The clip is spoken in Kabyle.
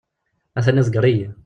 A-t-an iḍegger-iyi.